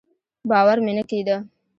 باور مې نه کېده.